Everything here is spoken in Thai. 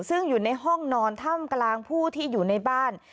ซึ่งอยู่ในห้องนอนถ้ำกลางผู้ที่อยู่ในบ้าน